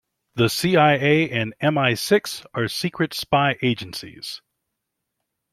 The CIA and MI-Six are secret spy agencies.